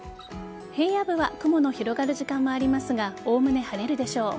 平野部は雲の広がる時間もありますがおおむね晴れるでしょう。